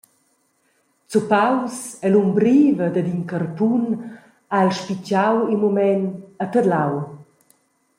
Zuppaus ell’umbriva dad in carpun ha el spitgau in mument e tedlau.